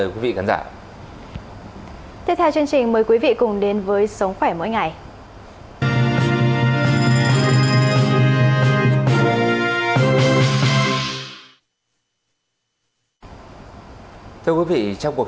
còn bây giờ thanh trúc xin mời quý vị cùng quay trở lại trường quay